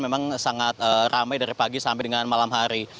memang sangat ramai dari pagi sampai dengan malam hari